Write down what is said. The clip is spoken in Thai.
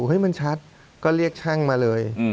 ให้มันชัดก็เรียกช่างมาเลย